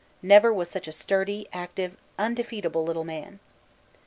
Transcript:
Never was such a sturdy, active, undefeatable little man.